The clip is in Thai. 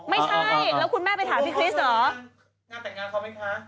แล้วคุณแม่ไปถามพี่คริสเหรอ